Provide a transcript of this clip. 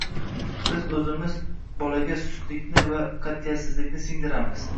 Biz o‘zimiz bolaga sustlikni va qat’iyatsizlikni singdiramiz.